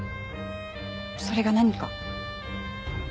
それが何か？